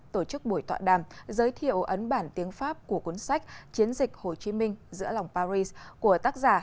tổ chức buổi tọa đàm giới thiệu ấn bản tiếng pháp của cuốn sách chiến dịch hồ chí minh giữa lòng paris của tác giả